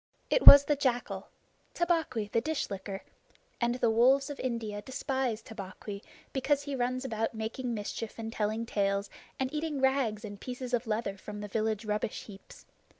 It was the jackal Tabaqui, the Dish licker and the wolves of India despise Tabaqui because he runs about making mischief, and telling tales, and eating rags and pieces of leather from the village rubbish heaps.